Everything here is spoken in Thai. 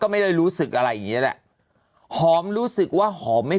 ไม่ได้รู้สึกอะไรอย่างเงี้แหละหอมรู้สึกว่าหอมไม่